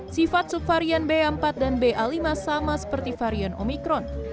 sifat subvarian ba empat dan ba lima sama seperti varian omikron